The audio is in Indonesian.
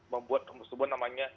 membuat apa namanya